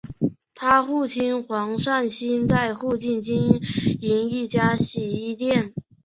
她父亲黄善兴在附近经营一家洗衣店。